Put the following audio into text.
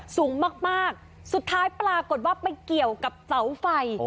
สูงมากสุดท้ายปรากฏว่าไปเกี่ยวกับเสาไฟ